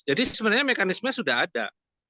jadi sebenarnya mekanismenya sudah ada